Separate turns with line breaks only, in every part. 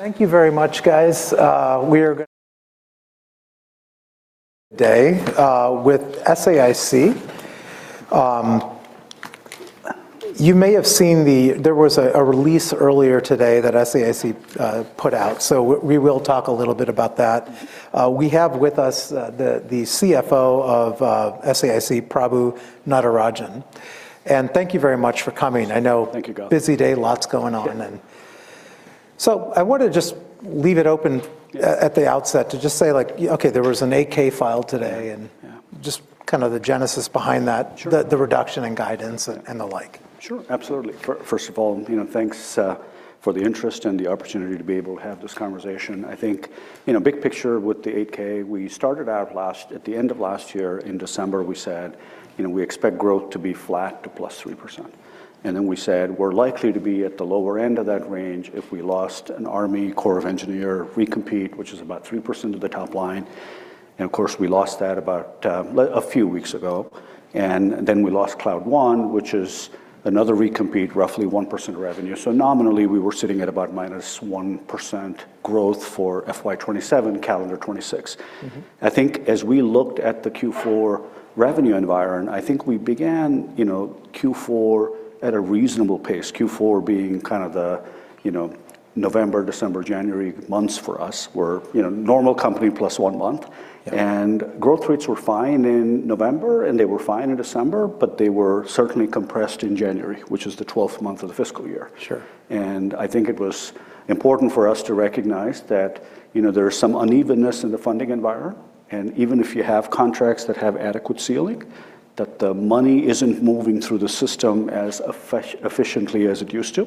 Thank you very much, guys. We are gonna day with SAIC. You may have seen the release earlier today that SAIC put out, so we will talk a little bit about that. We have with us the CFO of SAIC, Prabu Natarajan. And thank you very much for coming. I know-
Thank you, Garth.
busy day, lots going on, and
Yeah.
So I wanna just leave it open-
Yeah
at the outset to just say, like, okay, there was an 8-K file today-
Yeah, yeah
and just kind of the genesis behind that-
Sure...
the reduction in guidance and the like.
Sure, absolutely. First of all, you know, thanks for the interest and the opportunity to be able to have this conversation. I think, you know, big picture with the 8-K, we started out at the end of last year in December, we said, you know, we expect growth to be flat to +3%. And then we said, we're likely to be at the lower end of that range if we lost an Army Corps of Engineers recompete, which is about 3% of the top line, and of course, we lost that about a few weeks ago. And then we lost Cloud One, which is another recompete, roughly 1% revenue. So nominally, we were sitting at about -1% growth for FY 2027, calendar 2026.
Mm-hmm.
I think as we looked at the Q4 revenue environment, I think we began, you know, Q4 at a reasonable pace. Q4 being kind of the, you know, November, December, January months for us, were, you know, normal company plus one month.
Yeah.
Growth rates were fine in November, and they were fine in December, but they were certainly compressed in January, which is the twelfth month of the fiscal year.
Sure.
I think it was important for us to recognize that, you know, there is some unevenness in the funding environment, and even if you have contracts that have adequate ceiling, that the money isn't moving through the system as efficiently as it used to.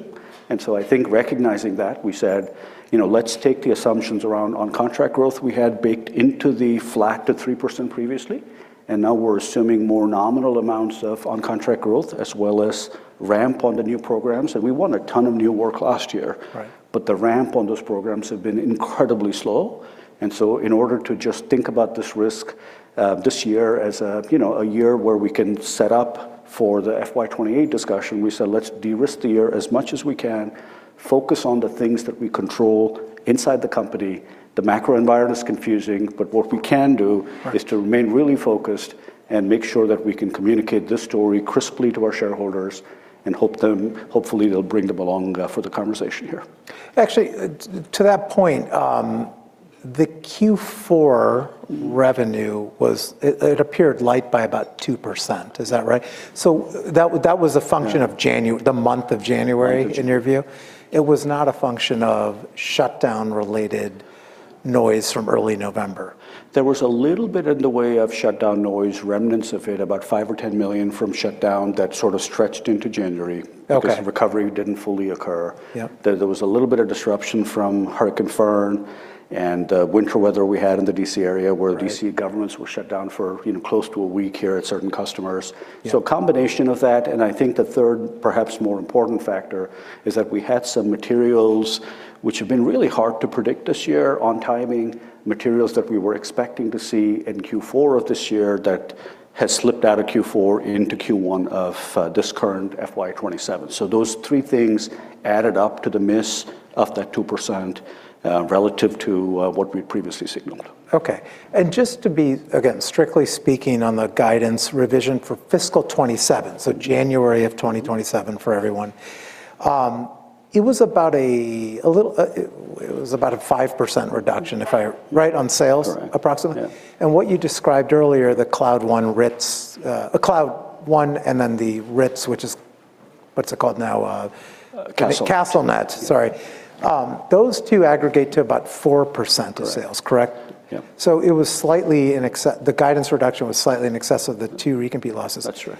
So I think recognizing that, we said, you know, let's take the assumptions around on-contract growth we had baked into the flat to 3% previously, and now we're assuming more nominal amounts of on-contract growth, as well as ramp on the new programs, and we won a ton of new work last year.
Right.
But the ramp on those programs have been incredibly slow. And so in order to just think about this risk, this year as a, you know, a year where we can set up for the FY 2028 discussion, we said, "Let's de-risk the year as much as we can, focus on the things that we control inside the company." The macro environment is confusing, but what we can do-
Right
is to remain really focused and make sure that we can communicate this story crisply to our shareholders and hope them, hopefully, they'll bring them along for the conversation here.
Actually, to that point, the Q4 revenue was... It appeared light by about 2%. Is that right? So that was a function of-
Yeah
the month of January
January
in your view? It was not a function of shutdown-related noise from early November.
There was a little bit in the way of shutdown noise, remnants of it, about $5-$10 million from shutdown, that sort of stretched into January.
Okay.
Because recovery didn't fully occur.
Yeah.
There was a little bit of disruption from Hurricane Fern and winter weather we had in the D.C. area-
Right...
where D.C. governments were shut down for, you know, close to a week here at certain customers.
Yeah.
So a combination of that, and I think the 1\3, perhaps more important factor, is that we had some materials which have been really hard to predict this year on timing, materials that we were expecting to see in Q4 of this year that has slipped out of Q4 into Q1 of this current FY 2027. So those three things added up to the miss of that 2%, relative to what we previously signaled.
Okay. And just to be, again, strictly speaking on the guidance revision for fiscal 27, so January of 2027 for everyone, it was about a 5% reduction-
Yeah...
if I read on sales-
Correct...
approximately?
Yeah.
What you described earlier, the Cloud One RITS, Cloud One, and then the RITS, which is, what's it called now?
Castle.
Castle-Net, sorry. Those two aggregate to about 4% of sales-
Correct...
correct?
Yeah.
So the guidance reduction was slightly in excess of the two recompete losses.
That's right.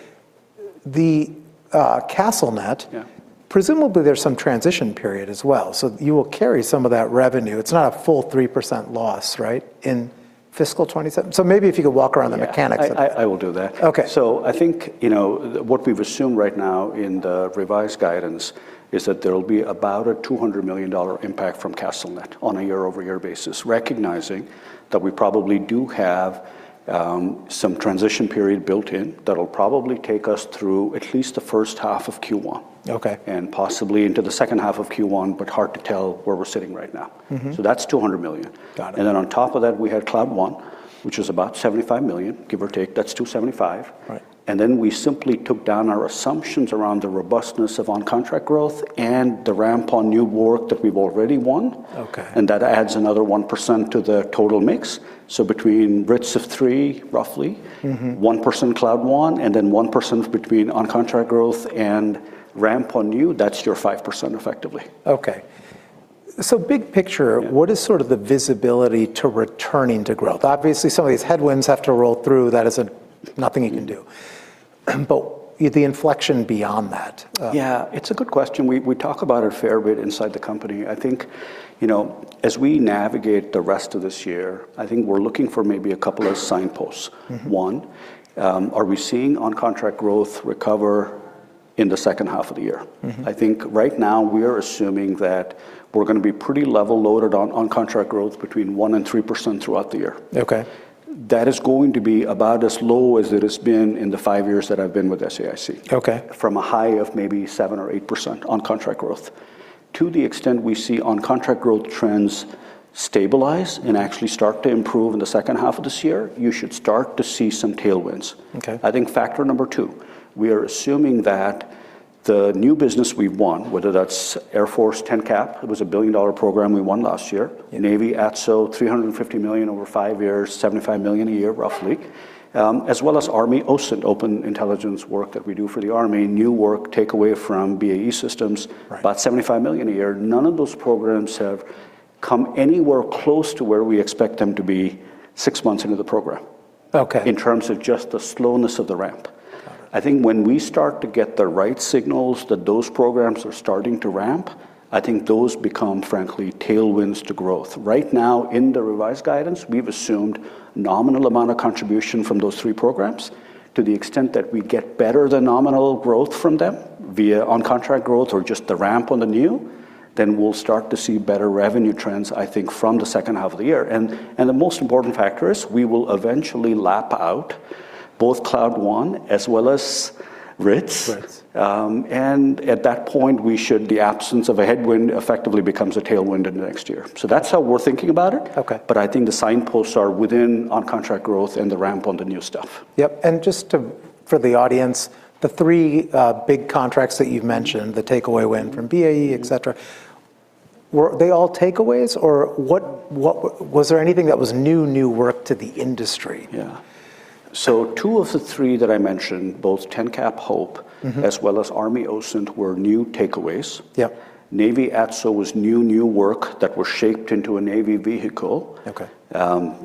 The Castle-Net-
Yeah...
presumably, there's some transition period as well, so you will carry some of that revenue. It's not a full 3% loss, right, in fiscal 2027? So maybe if you could walk around the mechanics of that.
Yeah, I will do that.
Okay.
So I think, you know, what we've assumed right now in the revised guidance is that there will be about a $200 million impact from CastleNet on a year-over-year basis, recognizing that we probably do have some transition period built in that'll probably take us through at least the first half of Q1.
Okay.
Possibly into the H2 of Q1, but hard to tell where we're sitting right now.
Mm-hmm.
That's $200 million.
Got it.
And then on top of that, we had Cloud One, which is about $75 million, give or take. That's $275 million.
Right.
And then we simply took down our assumptions around the robustness of on-contract growth and the ramp on new work that we've already won.
Okay.
That adds another 1% to the total mix. Between 2%-3%, roughly-
Mm-hmm...
1% Cloud One, and then 1% between on-contract growth and ramp on new, that's your 5% effectively.
Okay. So big picture-
Yeah...
what is sort of the visibility to returning to growth? Obviously, some of these headwinds have to roll through. That is, nothing you can do. But the inflection beyond that,
Yeah, it's a good question. We talk about it a fair bit inside the company. I think, you know, as we navigate the rest of this year, I think we're looking for maybe a couple of signposts.
Mm-hm
One, are we seeing on-contract growth recover in the H2 of the year? I think right now we are assuming that we're gonna be pretty level loaded on-contract growth between 1% and 3% throughout the year.
Okay. ...
that is going to be about as low as it has been in the five years that I've been with SAIC.
Okay.
From a high of maybe 7% or 8% on contract growth. To the extent we see on contract growth trends stabilize and actually start to improve in the second half of this year, you should start to see some tailwinds.
Okay.
I think factor number two, we are assuming that the new business we've won, whether that's Air Force TENCAP. It was a billion-dollar program we won last year.
Yeah.
Navy ATSO, $350 million over 5 years, $75 million a year, roughly. As well as Army OSINT, open intelligence work that we do for the Army, new work takeaway from BAE Systems-
Right...
about $75 million a year. None of those programs have come anywhere close to where we expect them to be six months into the program-
Okay
In terms of just the slowness of the ramp. I think when we start to get the right signals that those programs are starting to ramp, I think those become, frankly, tailwinds to growth. Right now, in the revised guidance, we've assumed nominal amount of contribution from those three programs. To the extent that we get better than nominal growth from them, via on-contract growth or just the ramp on the new, then we'll start to see better revenue trends, I think, from the second half of the year. And the most important factor is we will eventually lap out both Cloud One as well as RITS.
RITS.
At that point, the absence of a headwind effectively becomes a tailwind in the next year. So that's how we're thinking about it.
Okay.
I think the signposts are within on-contract growth and the ramp on the new stuff.
Yep, and just to, for the audience, the three big contracts that you've mentioned, the takeaway win from BAE, et cetera, were they all takeaways, or what was there anything that was new work to the industry?
Yeah. So two of the three that I mentioned, both TENCAP HOPE-... as well as Army OSINT, were new takeaways.
Yep.
Navy ATSO was new, new work that was shaped into a Navy vehicle-
Okay...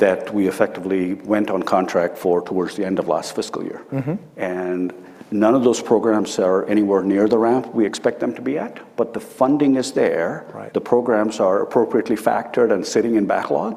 that we effectively went on contract for towards the end of last fiscal year.
Mm-hmm.
None of those programs are anywhere near the ramp we expect them to be at, but the funding is there.
Right.
The programs are appropriately factored and sitting in backlog,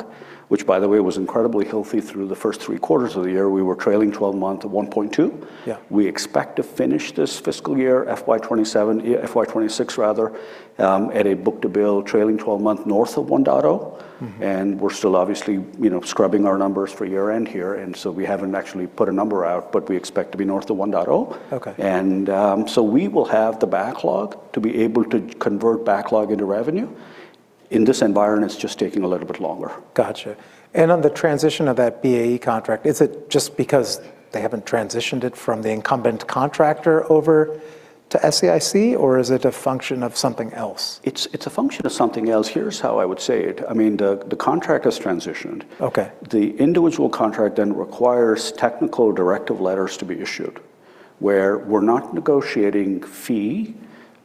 which, by the way, was incredibly healthy through the first three quarters of the year. We were trailing twelve-month at 1.2.
Yeah.
We expect to finish this fiscal year, FY 2027, FY 2026 rather, at a book-to-bill trailing twelve-month north of 1.0.
Mm-hmm.
We're still obviously, you know, scrubbing our numbers for year-end here, and so we haven't actually put a number out, but we expect to be north of 1.0.
Okay.
So we will have the backlog to be able to convert backlog into revenue. In this environment, it's just taking a little bit longer.
Gotcha. And on the transition of that BAE contract, is it just because they haven't transitioned it from the incumbent contractor over to SAIC, or is it a function of something else?
It's a function of something else. Here's how I would say it. I mean, the contract has transitioned.
Okay.
The individual contract then requires technical directive letters to be issued, where we're not negotiating fee,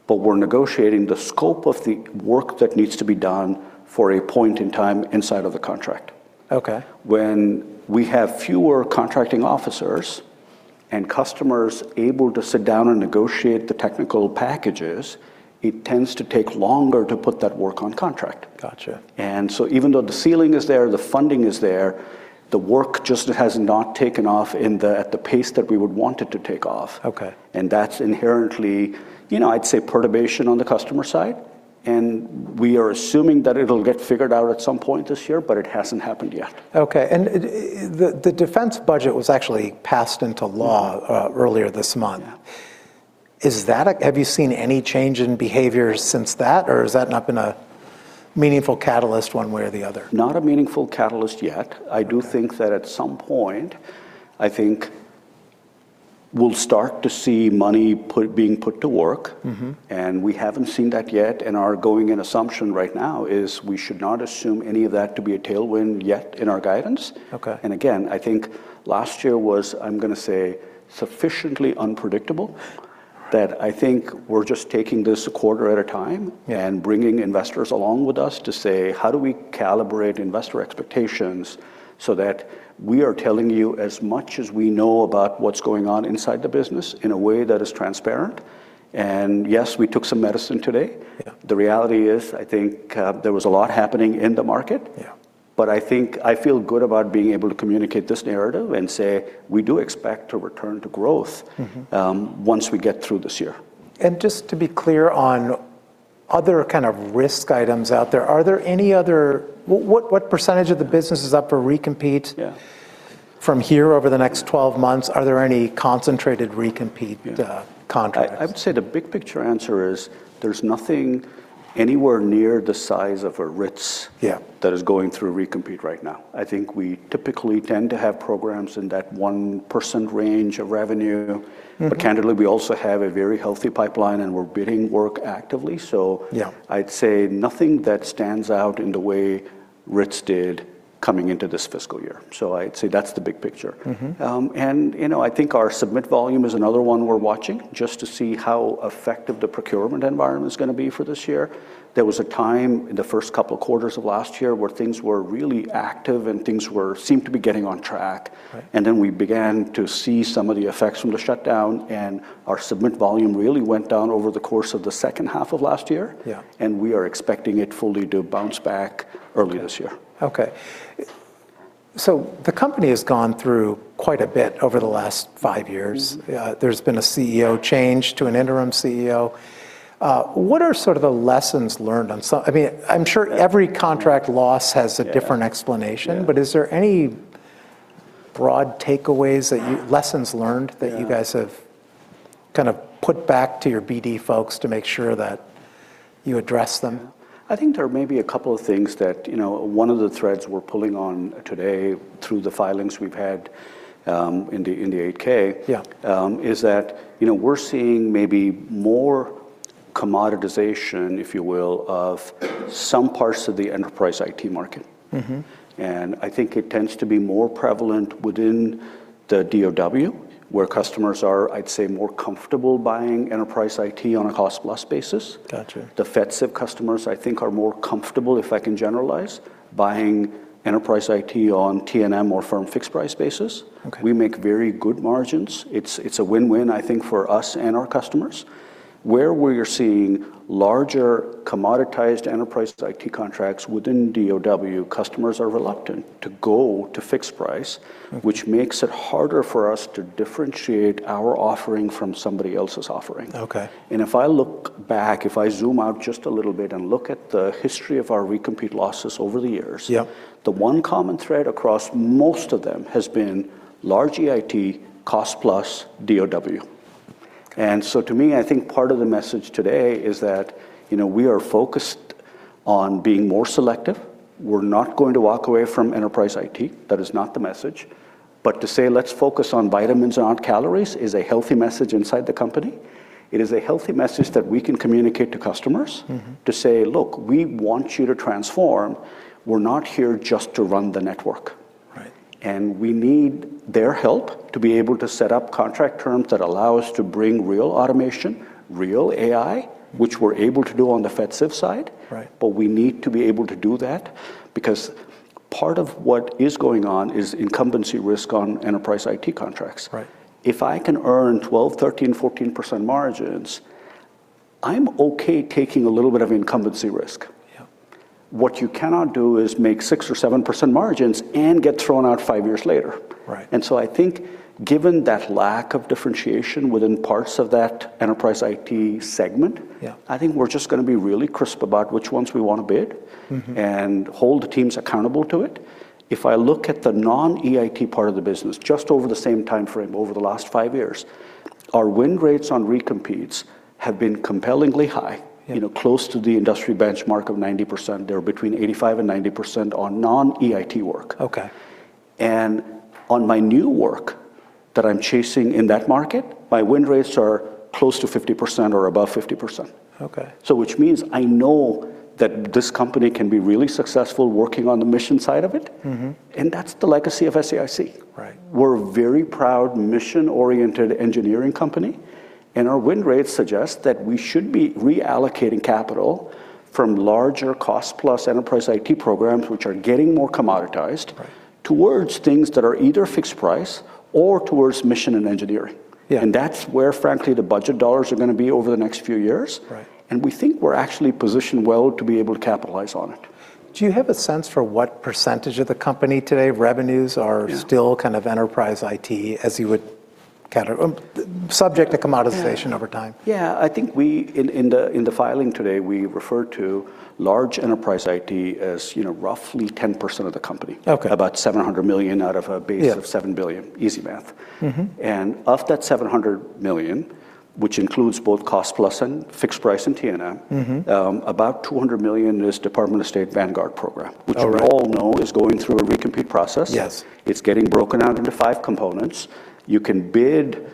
but we're negotiating the scope of the work that needs to be done for a point in time inside of the contract.
Okay.
When we have fewer contracting officers and customers able to sit down and negotiate the technical packages, it tends to take longer to put that work on contract.
Gotcha.
And so even though the ceiling is there, the funding is there, the work just has not taken off at the pace that we would want it to take off.
Okay.
That's inherently, you know, I'd say, perturbation on the customer side, and we are assuming that it'll get figured out at some point this year, but it hasn't happened yet.
Okay, the defense budget was actually passed into law earlier this month.
Yeah.
Have you seen any change in behavior since that, or has that not been a meaningful catalyst one way or the other?
Not a meaningful catalyst yet.
Okay.
I do think that at some point, I think we'll start to see money put, being put to work.
Mm-hmm.
We haven't seen that yet, and our going-in assumption right now is we should not assume any of that to be a tailwind yet in our guidance.
Okay.
And again, I think last year was, I'm gonna say, sufficiently unpredictable, that I think we're just taking this a quarter at a time-
Yeah
bringing investors along with us to say: How do we calibrate investor expectations so that we are telling you as much as we know about what's going on inside the business in a way that is transparent? And yes, we took some medicine today.
Yeah.
The reality is, I think, there was a lot happening in the market.
Yeah.
I think I feel good about being able to communicate this narrative and say we do expect to return to growth-
Mm-hmm...
once we get through this year.
Just to be clear on other kind of risk items out there, are there any other... What, what percentage of the business is up for recompete?
Yeah...
from here over the next 12 months? Are there any concentrated recompete contracts?
I would say the big-picture answer is there's nothing anywhere near the size of a RITS-
Yeah
That is going through recompete right now. I think we typically tend to have programs in that 1% range of revenue.
Mm.
But candidly, we also have a very healthy pipeline, and we're bidding work actively, so.
Yeah...
I'd say nothing that stands out in the way RITS did coming into this fiscal year. So I'd say that's the big picture.
Mm-hmm.
You know, I think our submit volume is another one we're watching, just to see how effective the procurement environment is gonna be for this year. There was a time in the first couple of quarters of last year where things were really active, and things seemed to be getting on track.
Right.
And then we began to see some of the effects from the shutdown, and our submit volume really went down over the course of the H2 of last year.
Yeah.
We are expecting it fully to bounce back early this year.
Okay. The company has gone through quite a bit over the last five years.
Mm-hmm.
There's been a CEO change to an interim CEO. What are sort of the lessons learned on some—I mean, I'm sure every contract loss has-
Yeah...
a different explanation.
Yeah.
But is there any broad takeaways that you, lessons learned-
Yeah.
-that you guys have kind of put back to your BD folks to make sure that you address them?
I think there may be a couple of things that, you know, one of the threads we're pulling on today through the filings we've had in the 8-K-
Yeah...
is that, you know, we're seeing maybe more commoditization, if you will, of some parts of the enterprise IT market.
Mm-hmm.
I think it tends to be more prevalent within the DOD, where customers are, I'd say, more comfortable buying enterprise IT on a cost-plus basis.
Gotcha.
The FEDCIP customers, I think, are more comfortable, if I can generalize, buying enterprise IT on T&M or firm fixed-price basis.
Okay.
We make very good margins. It's, it's a win-win, I think, for us and our customers. Where we're seeing larger commoditized enterprise IT contracts within DOD, customers are reluctant to go to fixed price-
Mm.
which makes it harder for us to differentiate our offering from somebody else's offering.
Okay.
And if I look back, if I zoom out just a little bit and look at the history of our recompete losses over the years-
Yeah...
the one common thread across most of them has been large EIT, cost-plus DoD. And so to me, I think part of the message today is that, you know, we are focused on being more selective. We're not going to walk away from enterprise IT. That is not the message. But to say, "Let's focus on vitamins, not calories," is a healthy message inside the company. It is a healthy message that we can communicate to customers-
Mm-hmm...
to say, "Look, we want you to transform. We're not here just to run the network.
Right.
We need their help to be able to set up contract terms that allow us to bring real automation, real AI, which we're able to do on the FEDCIP side.
Right.
But we need to be able to do that, because part of what is going on is incumbency risk on enterprise IT contracts.
Right.
If I can earn 12%-14% margins, I'm okay taking a little bit of incumbency risk.
Yeah.
What you cannot do is make 6% or 7% margins and get thrown out five years later.
Right.
So I think, given that lack of differentiation within parts of that enterprise IT segment-
Yeah...
I think we're just gonna be really crisp about which ones we want to bid-
Mm-hmm...
and hold the teams accountable to it. If I look at the non-EIT part of the business, just over the same time frame, over the last five years, our win rates on recompetes have been compellingly high.
Yeah...
you know, close to the industry benchmark of 90%. They're between 85% and 90% on non-EIT work.
Okay.
On my new work that I'm chasing in that market, my win rates are close to 50% or above 50%.
Okay.
Which means I know that this company can be really successful working on the mission side of it.
Mm-hmm.
That's the legacy of SAIC.
Right.
We're a very proud, mission-oriented engineering company, and our win rates suggest that we should be reallocating capital from larger cost-plus enterprise IT programs, which are getting more commoditized-
Right...
towards things that are either fixed price or towards mission and engineering.
Yeah.
That's where, frankly, the budget dollars are gonna be over the next few years.
Right.
We think we're actually positioned well to be able to capitalize on it.
Do you have a sense for what percentage of the company today revenues are-
Yeah...
still kind of enterprise IT, as you would kind of subject to commoditization over time?
Yeah, I think we, in the filing today, we referred to large enterprise IT as, you know, roughly 10% of the company.
Okay.
About $700 million out of a base-
Yeah...
of $7 billion. Easy math.
Mm-hmm.
Of that $700 million, which includes both cost-plus and fixed price and T&M-
Mm-hmm...
about $200 million is Department of State Vanguard program-
All right...
which we all know is going through a recompete process.
Yes.
It's getting broken out into five components. You can bid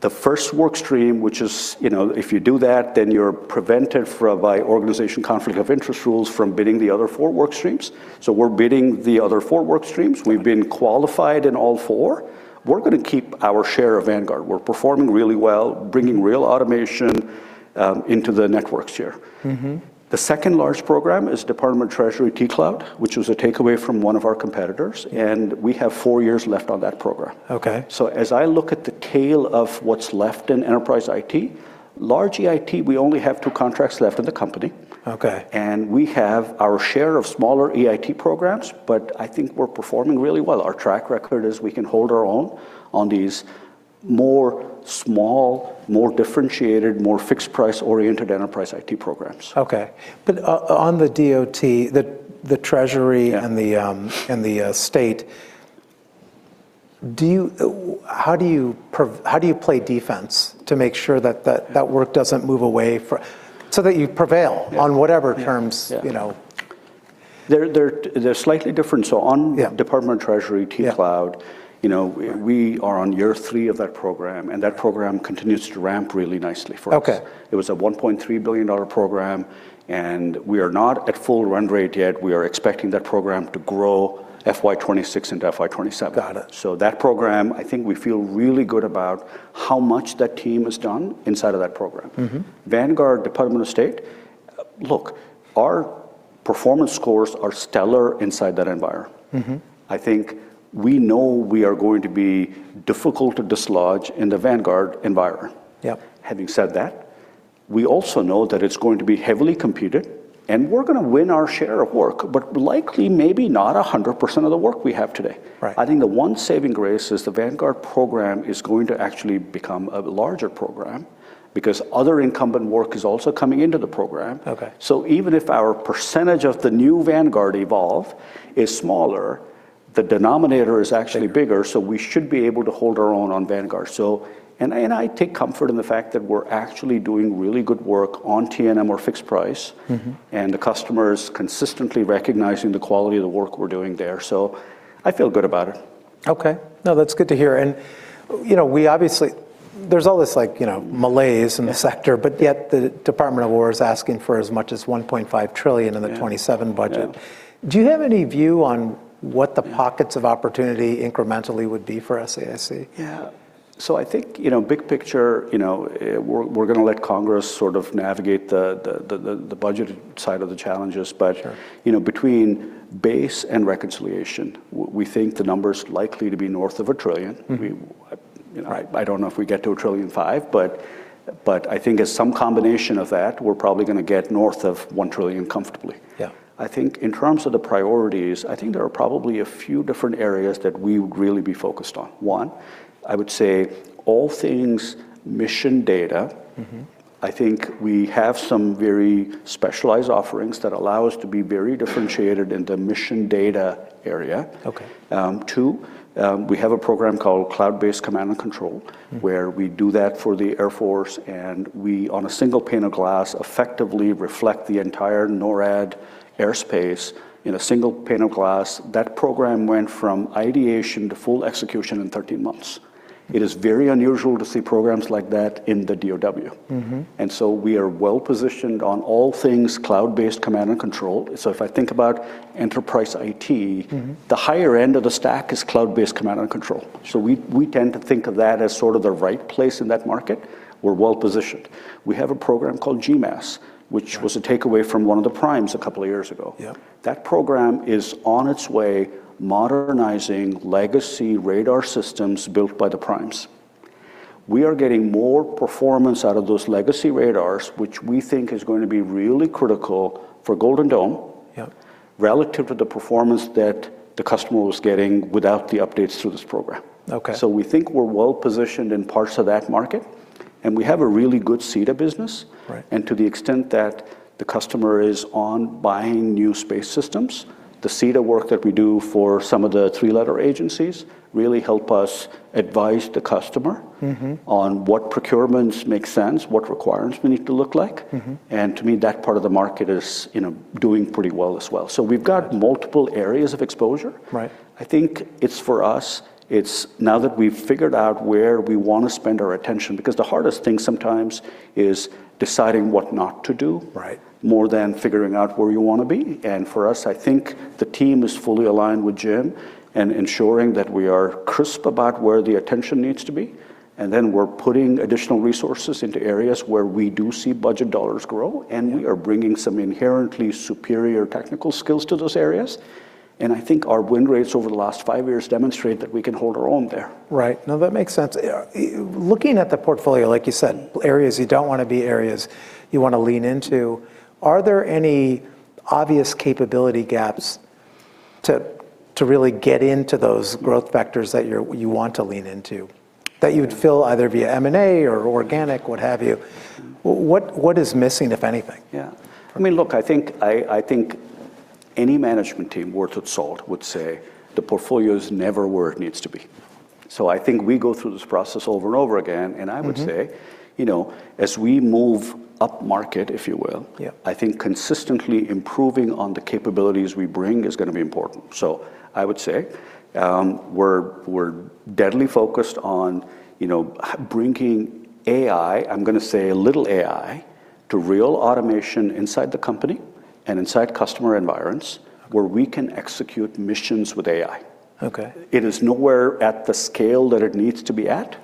the first work stream, which is, you know, if you do that, then you're prevented from, by organization conflict of interest rules, from bidding the other four work streams. So we're bidding the other four work streams. We've been qualified in all four. We're gonna keep our share of Vanguard. We're performing really well, bringing real automation into the networks here.
Mm-hmm.
The second-largest program is Department of the Treasury T-Cloud, which was a takeaway from one of our competitors, and we have four years left on that program.
Okay.
As I look at the tail of what's left in Enterprise IT, large EIT, we only have two contracts left in the company.
Okay.
We have our share of smaller EIT programs, but I think we're performing really well. Our track record is we can hold our own on these more small, more differentiated, more fixed-price-oriented enterprise IT programs.
Okay. But on the DOT, the Treasury-
Yeah...
and the State, how do you play defense to make sure that that work doesn't move away from... So that you prevail-
Yeah...
on whatever terms-
Yeah...
you know?
They're slightly different. So on-
Yeah...
Department of Treasury T-Cloud-
Yeah...
you know, we are on year three of that program, and that program continues to ramp really nicely for us.
Okay.
It was a $1.3 billion dollar program, and we are not at full run rate yet. We are expecting that program to grow FY 2026 into FY 2027.
Got it.
So that program, I think we feel really good about how much that team has done inside of that program.
Mm-hmm.
Vanguard, Department of State, look, our performance scores are stellar inside that environment.
Mm-hmm.
I think we know we are going to be difficult to dislodge in the Vanguard environment.
Yep.
Having said that, we also know that it's going to be heavily competed, and we're gonna win our share of work, but likely, maybe not 100% of the work we have today.
Right.
I think the one saving grace is the Vanguard program is going to actually become a larger program, because other incumbent work is also coming into the program.
Okay.
So even if our percentage of the new Vanguard evolve is smaller ... the denominator is actually bigger, so we should be able to hold our own on Vanguard. So, I take comfort in the fact that we're actually doing really good work on T&M or fixed price.
Mm-hmm.
The customer is consistently recognizing the quality of the work we're doing there, so I feel good about it.
Okay. No, that's good to hear. And, you know, we obviously, there's all this, like, you know, malaise in the sector, but yet the Department of War is asking for as much as $1.5 trillion in the 2027 budget.
Yeah.
Do you have any view on what the pockets of opportunity incrementally would be for SAIC?
Yeah. So I think, you know, big picture, you know, we're gonna let Congress sort of navigate the budget side of the challenges.
Sure.
But, you know, between base and reconciliation, we think the number's likely to be north of $1 trillion.
Mm-hmm.
We, uh...
Right
I don't know if we get to $1.5 trillion, but I think as some combination of that, we're probably gonna get north of $1 trillion comfortably.
Yeah.
I think in terms of the priorities, I think there are probably a few different areas that we would really be focused on. One, I would say all things mission data.
Mm-hmm.
I think we have some very specialized offerings that allow us to be very differentiated in the mission data area.
Okay.
Two, we have a program called Cloud-Based Command and Control.
Mm.
where we do that for the Air Force, and we, on a single pane of glass, effectively reflect the entire NORAD airspace in a single pane of glass. That program went from ideation to full execution in 13 months. It is very unusual to see programs like that in the DoD.
Mm-hmm.
And so we are well-positioned on all things Cloud-Based Command and Control. So if I think about Enterprise IT-
Mm-hmm...
the higher end of the stack is cloud-based command and control. So we, we tend to think of that as sort of the right place in that market. We're well-positioned. We have a program called GMAS-
Right ...
which was a takeaway from one of the primes a couple of years ago.
Yeah.
That program is on its way, modernizing legacy radar systems built by the primes. We are getting more performance out of those legacy radars, which we think is going to be really critical for Golden Dome
Yeah...
relative to the performance that the customer was getting without the updates through this program.
Okay.
So we think we're well-positioned in parts of that market, and we have a really good CEDA business.
Right.
To the extent that the customer is on buying new space systems, the CEDA work that we do for some of the three-letter agencies really help us advise the customer-
Mm-hmm...
on what procurements make sense, what requirements we need to look like.
Mm-hmm.
To me, that part of the market is, you know, doing pretty well as well. We've got multiple areas of exposure.
Right.
I think it's for us. It's now that we've figured out where we want to spend our attention, because the hardest thing sometimes is deciding what not to do-
Right...
more than figuring out where you wanna be. For us, I think the team is fully aligned with Jim in ensuring that we are crisp about where the attention needs to be, and then we're putting additional resources into areas where we do see budget dollars grow-
Yeah...
and we are bringing some inherently superior technical skills to those areas. I think our win rates over the last five years demonstrate that we can hold our own there.
Right. No, that makes sense. Looking at the portfolio, like you said, areas you don't want to be, areas you want to lean into, are there any obvious capability gaps to really get into those growth vectors that you want to lean into, that you'd fill either via M&A or organic, what have you? What is missing, if anything?
Yeah. I mean, look, I think any management team worth its salt would say the portfolio is never where it needs to be. So I think we go through this process over and over again, and I would say-
Mm-hmm...
you know, as we move upmarket, if you will-
Yeah...
I think consistently improving on the capabilities we bring is gonna be important. So I would say, we're deadly focused on, you know, bringing AI, I'm gonna say little AI, to real automation inside the company and inside customer environments, where we can execute missions with AI.
Okay.
It is nowhere at the scale that it needs to be at,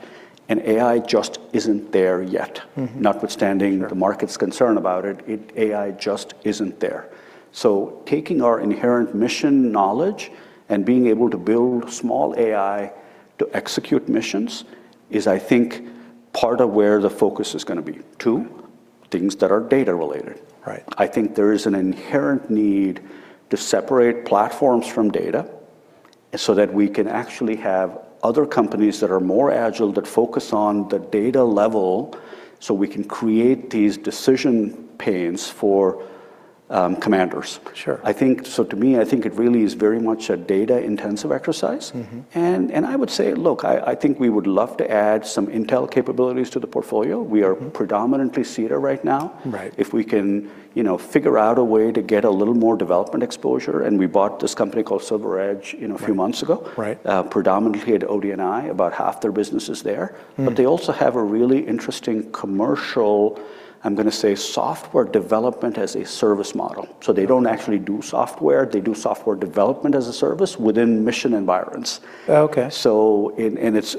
and AI just isn't there yet.
Mm-hmm.
Notwithstanding the market's concern about it, AI just isn't there. So taking our inherent mission knowledge and being able to build small AI to execute missions is, I think, part of where the focus is gonna be. Two, things that are data-related.
Right.
I think there is an inherent need to separate platforms from data, so that we can actually have other companies that are more agile, that focus on the data level, so we can create these decision panes for commanders.
Sure.
I think, so to me, I think it really is very much a data-intensive exercise.
Mm-hmm.
And I would say, look, I think we would love to add some intel capabilities to the portfolio.
Mm.
We are predominantly CEDA right now.
Right.
If we can, you know, figure out a way to get a little more development exposure, and we bought this company called SilverEdge, you know, a few months ago.
Right.
Predominantly at ODNI, about half their business is there.
Mm.
But they also have a really interesting commercial, I'm gonna say, software development as a service model. So they don't actually do software, they do software development as a service within mission environments.
Oh, okay.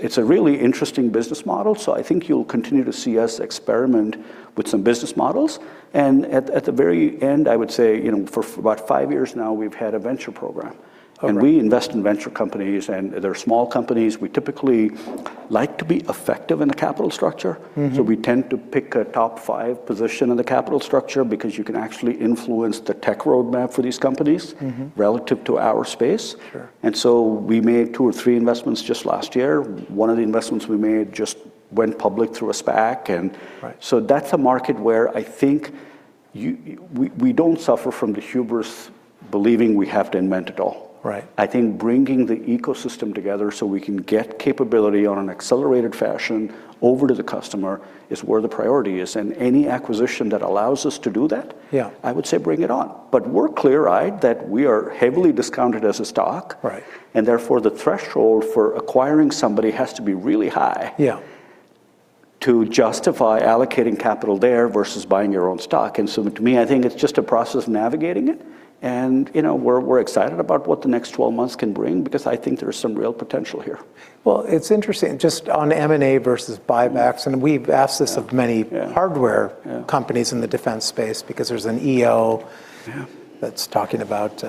It's a really interesting business model. So I think you'll continue to see us experiment with some business models. And at the very end, I would say, you know, for about five years now, we've had a venture program.
Okay.
We invest in venture companies, and they're small companies. We typically like to be effective in the capital structure.
Mm-hmm.
So we tend to pick a top five position in the capital structure because you can actually influence the tech roadmap for these companies-
Mm-hmm...
relative to our space.
Sure.
And so we made two or three investments just last year. One of the investments we made just went public through a SPAC and-
Right.
So that's a market where I think we don't suffer from the hubris believing we have to invent it all.
Right.
I think bringing the ecosystem together so we can get capability on an accelerated fashion over to the customer is where the priority is, and any acquisition that allows us to do that-
Yeah...
I would say bring it on. But we're clear-eyed that we are heavily discounted as a stock-
Right...
and therefore, the threshold for acquiring somebody has to be really high-
Yeah...
to justify allocating capital there versus buying your own stock. And so to me, I think it's just a process of navigating it, and, you know, we're excited about what the next 12 months can bring, because I think there's some real potential here.
Well, it's interesting, just on M&A versus buybacks, and we've asked this of many-
Yeah...
hardware companies in the defense space, because there's an EO-
Yeah...
that's talking about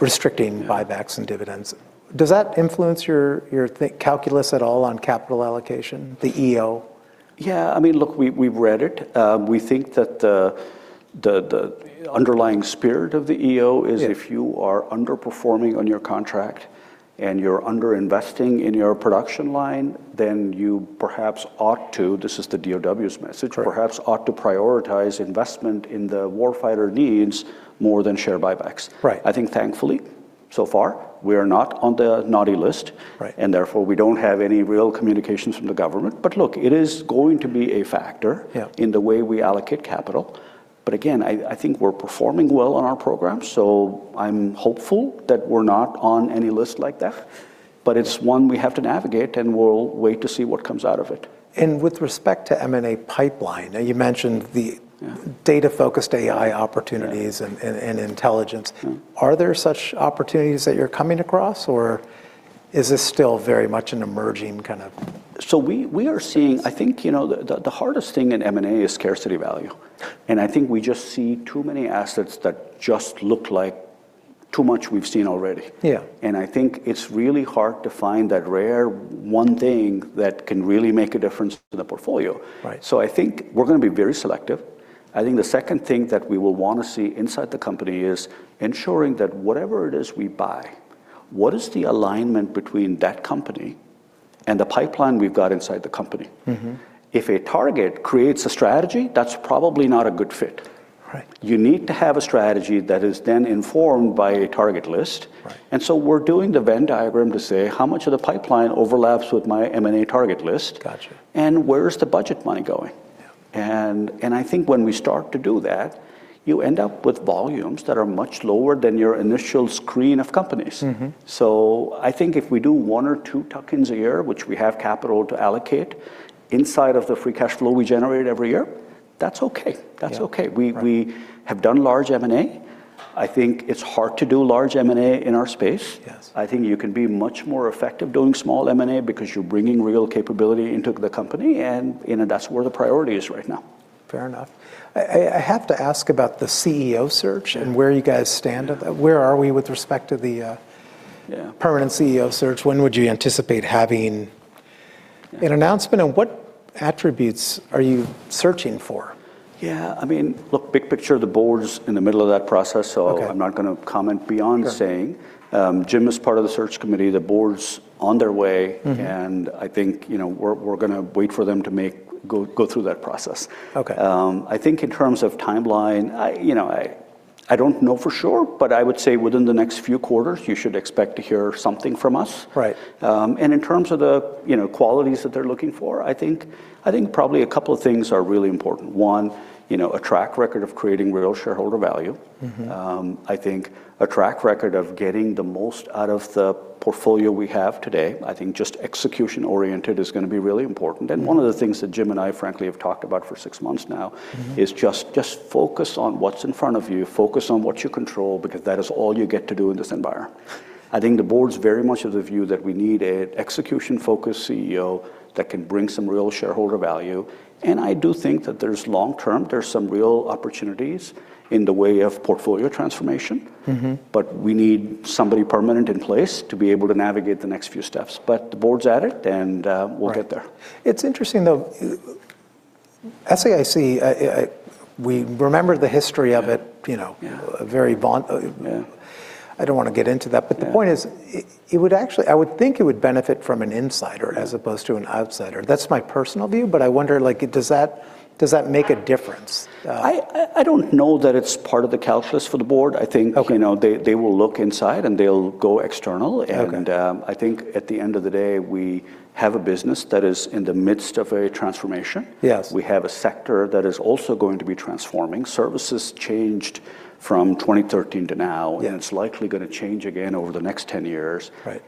restricting-
Yeah...
buybacks and dividends. Does that influence your thinking calculus at all on capital allocation, the EO?
Yeah. I mean, look, we, we've read it. We think that the underlying spirit of the EO is-
Yeah...
if you are underperforming on your contract and you're under-investing in your production line, then you perhaps ought to, this is the DoD's message-
Right...
perhaps ought to prioritize investment in the war fighter needs more than share buybacks.
Right.
I think thankfully, so far, we are not on the naughty list-
Right...
and therefore, we don't have any real communications from the government. But look, it is going to be a factor-
Yeah...
in the way we allocate capital. But again, I, I think we're performing well on our program, so I'm hopeful that we're not on any list like that, but it's one we have to navigate, and we'll wait to see what comes out of it.
With respect to M&A pipeline, now, you mentioned the-
Yeah...
data-focused AI opportunities-
Yeah...
and intelligence.
Mm-hmm.
Are there such opportunities that you're coming across, or is this still very much an emerging kind of?
So we are seeing... I think, you know, the hardest thing in M&A is scarcity value, and I think we just see too many assets that just look like too much we've seen already.
Yeah.
I think it's really hard to find that rare one thing that can really make a difference in the portfolio.
Right.
So I think we're gonna be very selective. I think the second thing that we will wanna see inside the company is ensuring that whatever it is we buy, what is the alignment between that company and the pipeline we've got inside the company?
Mm-hmm.
If a target creates a strategy, that's probably not a good fit.
Right.
You need to have a strategy that is then informed by a target list.
Right.
And so we're doing the Venn diagram to say, "How much of the pipeline overlaps with my M&A target list?
Gotcha.
Where is the budget money going?
Yeah.
And I think when we start to do that, you end up with volumes that are much lower than your initial screen of companies.
Mm-hmm.
I think if we do one or two tuck-ins a year, which we have capital to allocate, inside of the free cash flow we generate every year, that's okay.
Yeah.
That's okay.
Right.
We have done large M&A. I think it's hard to do large M&A in our space.
Yes.
I think you can be much more effective doing small M&A because you're bringing real capability into the company, and, you know, that's where the priority is right now.
Fair enough. I have to ask about the CEO search-
Yeah...
and where you guys stand at that. Where are we with respect to the,
Yeah...
permanent CEO search? When would you anticipate having an announcement, and what attributes are you searching for?
Yeah, I mean, look, big picture, the board is in the middle of that process.
Okay...
so I'm not gonna comment beyond saying-
Sure...
Jim is part of the search committee. The board's on their way-
Mm-hmm...
and I think, you know, we're gonna wait for them to go through that process.
Okay.
I think in terms of timeline, I, you know, I don't know for sure, but I would say within the next few quarters, you should expect to hear something from us.
Right.
And in terms of the, you know, qualities that they're looking for, I think probably a couple of things are really important. One, you know, a track record of creating real shareholder value.
Mm-hmm.
I think a track record of getting the most out of the portfolio we have today. I think just execution-oriented is gonna be really important.
Mm.
One of the things that Jim and I, frankly, have talked about for six months now-
Mm-hmm...
is just focus on what's in front of you, focus on what you control, because that is all you get to do in this environment. I think the board's very much of the view that we need an execution-focused CEO that can bring some real shareholder value, and I do think that there are some real opportunities in the way of portfolio transformation.
Mm-hmm.
But we need somebody permanent in place to be able to navigate the next few steps. But the board's at it, and
Right...
we'll get there.
It's interesting, though, SAIC, we remember the history of it-
Yeah...
you know-
Yeah...
very vaunted,
Yeah.
I don't wanna get into that.
Yeah.
But the point is, it would actually, I would think it would benefit from an insider-
Yeah...
as opposed to an outsider. That's my personal view, but I wonder, like, does that, does that make a difference?
I don't know that it's part of the calculus for the board. I think.
Okay...
you know, they, they will look inside, and they'll go external-
Okay...
and, I think at the end of the day, we have a business that is in the midst of a transformation.
Yes.
We have a sector that is also going to be transforming. Services changed from 2013 to now-
Yeah...
and it's likely gonna change again over the next 10 years.
Right.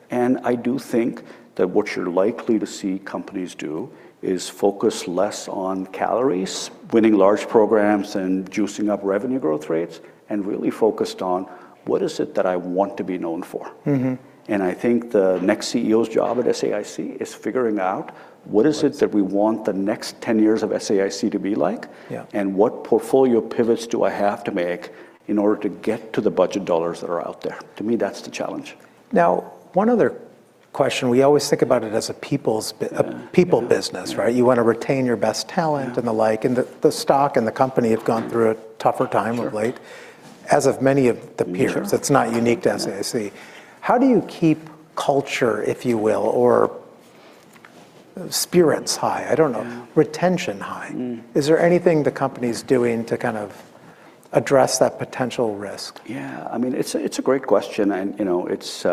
I do think that what you're likely to see companies do is focus less on calories, winning large programs and juicing up revenue growth rates, and really focused on, "What is it that I want to be known for?
Mm-hmm.
I think the next CEO's job at SAIC is figuring out what is it that we want the next 10 years of SAIC to be like-
Yeah...
and what portfolio pivots do I have to make in order to get to the budget dollars that are out there? To me, that's the challenge.
Now, one other question. We always think about it as a people's bi-
Yeah, mm-hmm...
a people business, right? You wanna retain your best talent-
Yeah...
and the like, and the stock and the company have gone through a tougher time-
Sure...
of late, as have many of the peers.
Sure.
It's not unique to SAIC. How do you keep culture, if you will, or spirits high? I don't know.
Yeah.
-retention high.
Mm.
Is there anything the company's doing to kind of address that potential risk?
Yeah, I mean, it's a, it's a great question, and, you know, it's,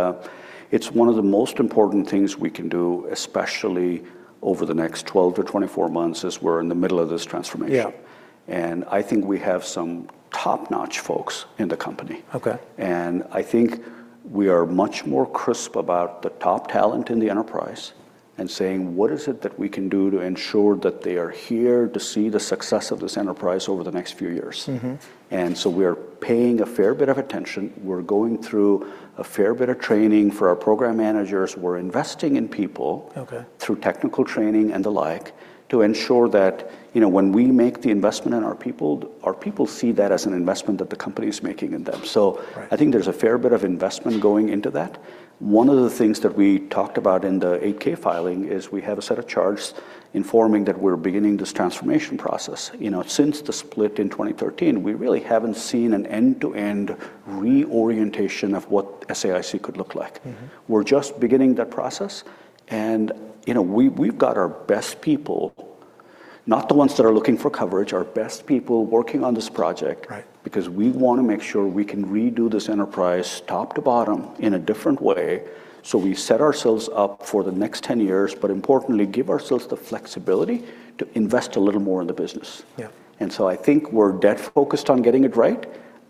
it's one of the most important things we can do, especially over the next 12-24 months as we're in the middle of this transformation.
Yeah.
I think we have some top-notch folks in the company.
Okay.
I think we are much more crisp about the top talent in the enterprise and saying: What is it that we can do to ensure that they are here to see the success of this enterprise over the next few years?
Mm-hmm.
So we are paying a fair bit of attention. We're going through a fair bit of training for our program managers. We're investing in people-
Okay.
through technical training and the like, to ensure that, you know, when we make the investment in our people, our people see that as an investment that the company is making in them.
Right.
I think there's a fair bit of investment going into that. One of the things that we talked about in the 8-K filing is we have a set of charts informing that we're beginning this transformation process. You know, since the split in 2013, we really haven't seen an end-to-end reorientation of what SAIC could look like.
Mm-hmm.
We're just beginning that process, and, you know, we, we've got our best people, not the ones that are looking for coverage, our best people working on this project-
Right...
because we wanna make sure we can redo this enterprise top to bottom in a different way, so we set ourselves up for the next 10 years, but importantly, give ourselves the flexibility to invest a little more in the business.
Yeah.
And so I think we're dead focused on getting it right.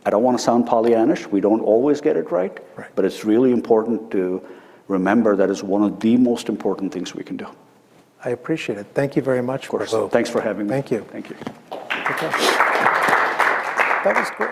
I don't wanna sound Pollyannaish, we don't always get it right.
Right.
But it's really important to remember that is one of the most important things we can do.
I appreciate it. Thank you very much, Rahul.
Of course. Thanks for having me.
Thank you.
Thank you.
That was great.